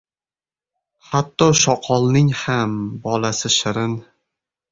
• Hatto shoqolning ham bolasi shirin.